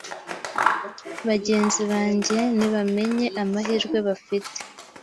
Bagenzi bange nibamenye amahirwe bafite,